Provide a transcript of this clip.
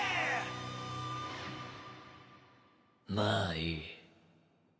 まあいい。